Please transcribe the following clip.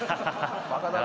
バカだね。